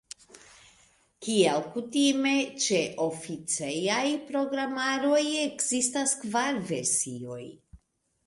Kiel kutime ĉe oficejaj programaroj, ekzistas kvar versioj.